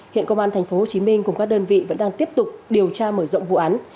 hiện công an tp hcm cùng các đơn vị vẫn đang tiếp tục điều tra mở rộng vụ án